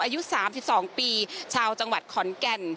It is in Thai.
อายุ๓๒ปีชาวจังหวัดขอนแก่น